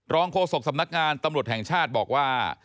โฆษกสำนักงานตำรวจแห่งชาติบอกว่า